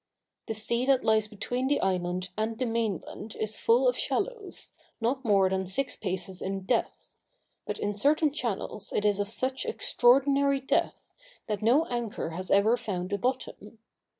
The sea that lies between the island and the mainland is full of shallows, not more than six paces in depth; but in certain channels it is of such extraordinary depth, that no anchor has ever found a bottom.